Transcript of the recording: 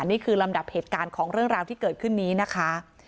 นี่คือลำดับเหตุการณ์ของเรื่องราวที่เกิดขึ้นนี้นะคะ